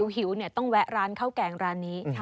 หิวต้องแวะร้านข้าวแกงร้านนี้